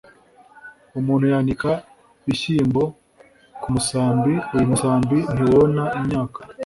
umuntu yanika bishyimbo ku musambi uyu musambi ntiwona imyaka